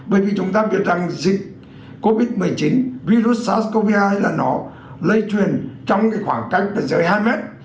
bởi vì chúng ta biết rằng dịch covid một mươi chín virus sars cov hai là nó lây truyền trong cái khoảng cách dài hai mét